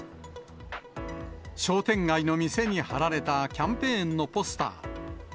商店街の店に貼られたキャンペーンのポスター。